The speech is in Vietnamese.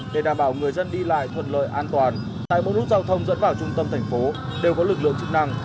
để đảm bảo người dân đi lại thuận lợi an toàn tại một nút giao thông dẫn vào trung tâm thành phố đều có lực lượng chức năng